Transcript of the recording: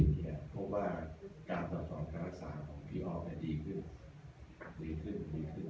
เนี่ยเพราะว่าการตอบสอนการรักษาของพี่ออฟเนี่ยดีขึ้นดีขึ้นดีขึ้น